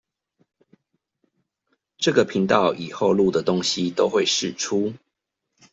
這個頻道以後錄的東西都會釋出